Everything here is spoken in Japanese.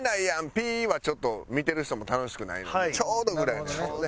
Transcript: ピー！」はちょっと見てる人も楽しくないのでちょうどぐらいのやつをね。